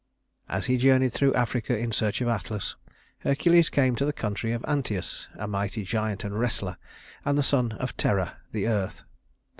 As he journeyed through Africa in search of Atlas, Hercules came to the country of Anteus a mighty giant and wrestler, and the son of Terra, the Earth.